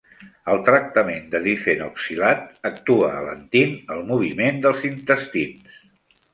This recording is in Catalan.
El tractament de difenoxilat actua alentint el moviment dels intestins.